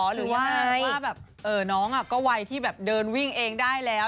หรือว่าแบบน้องก็วัยที่แบบเดินวิ่งเองได้แล้ว